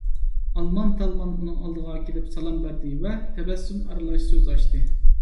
ئالمان - تالمان ئۇنىڭ ئالدىغا كېلىپ سالام بەردى ۋە تەبەسسۇم ئارىلاش سۆز ئاچتى: